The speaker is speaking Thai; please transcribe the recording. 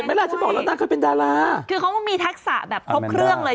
เสร็จเวลาจะบอกแล้วน่าเคยเป็นดาราคือเค้าก็มีทักษะแบบพบเครื่องเลย